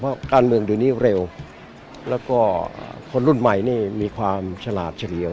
เพราะการเมืองเดี๋ยวนี้เร็วแล้วก็คนรุ่นใหม่นี่มีความฉลาดเฉลียว